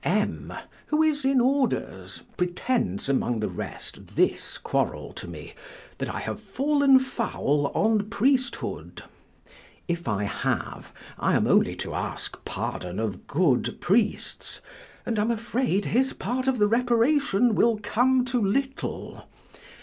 M , who is in orders, pretends amongst the rest this quarrel to me, that I have fallen foul on priesthood: if I have, I am only to ask pardon of good priests, and am afraid his part of the reparation will come to little.